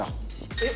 えっ？